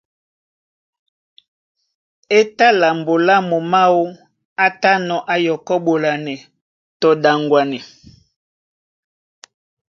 É tá lambo lá momé ábū á yánɔ̄ á yɔkɔ́ ɓolanɛ tɔ ɗaŋgwanɛ.